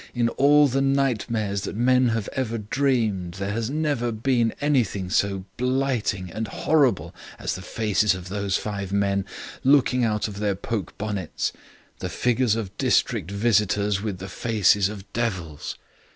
In all the nightmares that men have ever dreamed, there has never been anything so blighting and horrible as the faces of those five men, looking out of their poke bonnets; the figures of district visitors with the faces of devils.